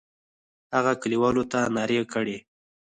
هغه کلیوالو ته نارې کړې.